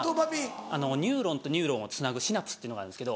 ニューロンとニューロンをつなぐシナプスっていうのがあるんですけど。